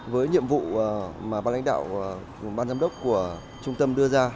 với nhiệm vụ mà ban lãnh đạo ban giám đốc của trung tâm đưa ra